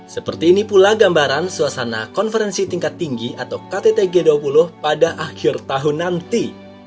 seperti ini pula gambaran suasana konferensi tingkat tinggi atau ktt g dua puluh pada akhir tahun nanti